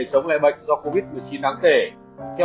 sống lại bệnh do covid một mươi chín đáng kể